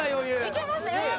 いけました。